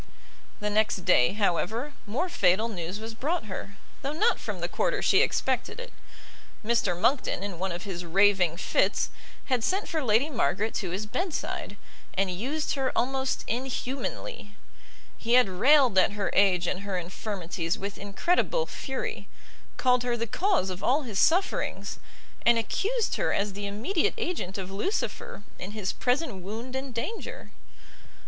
The next day, however, more fatal news was brought her, though not from the quarter she expected it: Mr Monckton, in one of his raving fits, had sent for Lady Margaret to his bed side, and used her almost inhumanly: he had railed at her age and her infirmities with incredible fury, called her the cause of all his sufferings, and accused her as the immediate agent of Lucifer in his present wound and danger.